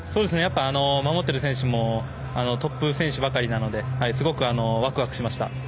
守っている選手もトップ選手なのですごくワクワクしました。